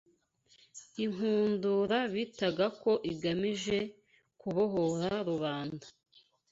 inkundura bitaga ko igamije kubohora rubanda